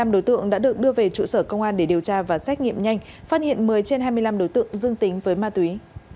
năm đối tượng đã được đưa về trụ sở công an để điều tra và xét nghiệm nhanh phát hiện một mươi trên hai mươi năm đối tượng dương tính với ma túy